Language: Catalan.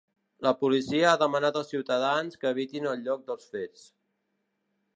La policia ha demanat als ciutadans que evitin el lloc dels fets.